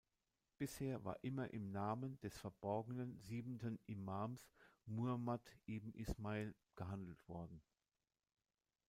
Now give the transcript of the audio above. Bisher war immer im Namen des verborgenen siebenten Imams Muhammad ibn Ismail gehandelt worden.